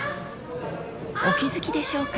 ［お気付きでしょうか？］